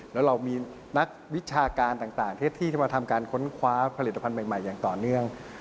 แล้วเรามีนักวิชาการต่างที่จะมาทำการค้นคว้าผลิตภัณฑ์ใหม่อย่างต่อเนื่อง